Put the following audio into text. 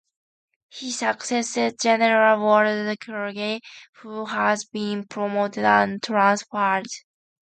He succeeded general Walter Krueger, who has been promoted and transferred.